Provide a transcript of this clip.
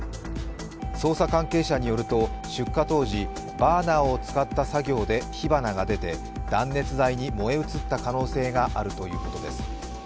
捜査関係者によると、出火当時バーナーを使った作業で火花が出て断熱材に燃え移った可能性があるということです。